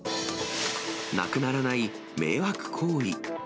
なくならない迷惑行為。